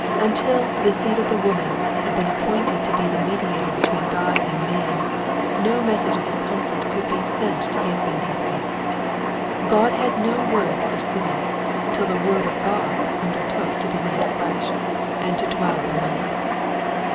Until "the seed of the woman" had been appointed to be the Mediator between God and man, no messages of comfort could be sent to the offending race. God had no word for sinners till the Word of God undertook to be made flesh, and to dwell among us.